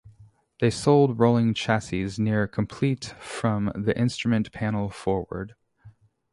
They sold rolling chassis, near-complete from the instrument panel forward.